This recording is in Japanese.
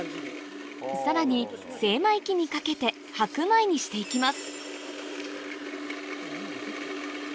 さらに精米機にかけて白米にして行きます